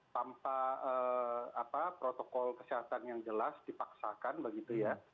tanpa protokol kesehatan yang jelas dipaksakan begitu ya